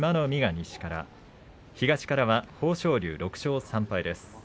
海が西から東からは豊昇龍、６勝３敗です。